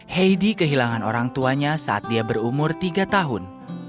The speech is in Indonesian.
heidi kehilangan orang tuanya saat dia berumur tiga tahun